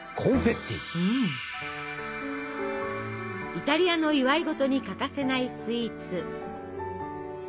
イタリアの祝い事に欠かせないスイーツ。